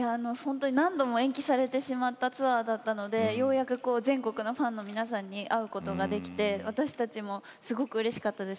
何度も延期されてしまったツアーだったのでようやく全国の皆さんに会うことができて私たちもすごくうれしかったです。